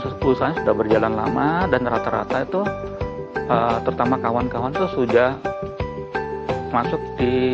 terus usaha sudah berjalan lama dan rata rata itu terutama kawan kawan tuh sudah masuk di